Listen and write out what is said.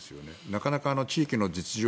なかなか地域の実情